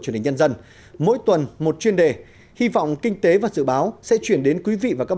truyền hình nhân dân mỗi tuần một chuyên đề hy vọng kinh tế và dự báo sẽ chuyển đến quý vị và các